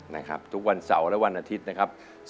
นะครับทุกวันเสาร์และวันอาทิตย์นะครับ